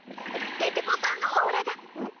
デテコさんのオーラがん？